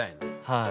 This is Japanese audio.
はい。